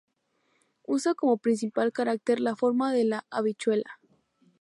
Usa como principal carácter la forma de la "habichuela".